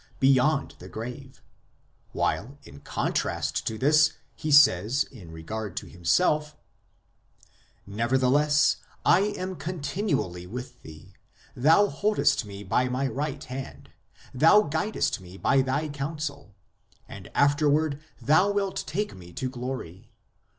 beyond the grave ; while, in contrast to this, he says in regard to himself : Nevertheless, I am continually with Thee, Thou holdest me by my right hand ; Thou guidest me by Thy counsel, And afterward Thou wilt take me to glory.